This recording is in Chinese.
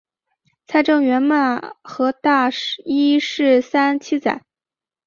蔡正元骂何大一是三七仔。